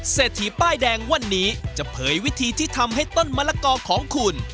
เศรษฐีป้ายแดงวันนี้จะเผยวิธีที่ทำให้ต้นมะละกอของคุณ